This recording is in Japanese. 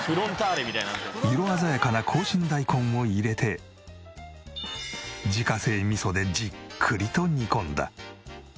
色鮮やかな紅芯大根を入れて自家製味噌でじっくりと煮込んだ。